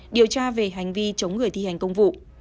điều tra về hành vi chống người thi hành công vụ